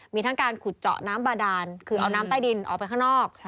มีทั้งการขุดเจาะน้ำบาดานคือเอาน้ำใต้ดินออกไปข้างนอก